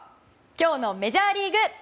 今日のメジャーリーグ。